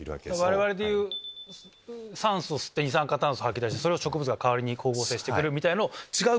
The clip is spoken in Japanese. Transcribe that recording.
我々でいう酸素吸って二酸化炭素吐き出してそれを植物が代わりに光合成してくれるみたいのを。